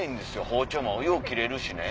包丁もよう切れるしね。